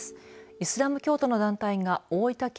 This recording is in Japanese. イスラム教徒の団体が大分県